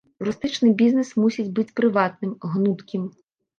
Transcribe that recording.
Турыстычны бізнес мусіць быць прыватным, гнуткім.